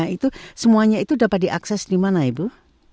itu semuanya itu dapat diakses di mana ibu